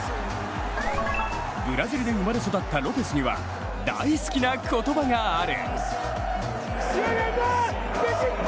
ブラジルで生まれ育ったロペスには大好きな言葉がある。